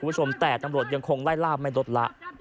เวลาไม่รถละ